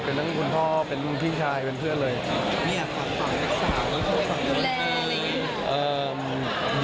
เป็นทั้งคุณพ่อเป็นพี่ชายเป็นเพื่อนเลยครับ